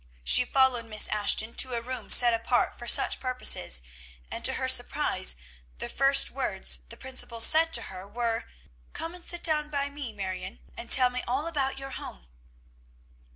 She followed Miss Ashton to a room set apart for such purposes; and, to her surprise, the first words the principal said to her were, "Come and sit down by me, Marion, and tell me all about your home!"